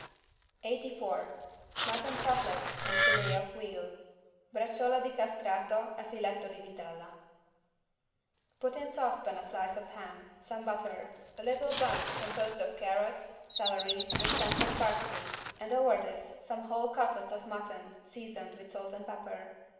84 MUTTON CUTLETS AND FILET OF VEAL (Braciuole di castrato e filetto di vitella) Put in saucepan a slice of ham, some butter, a little bunch composed of carrot, celery and stems of parsley and over this some whole cutlets of mutton seasoned with salt and pepper.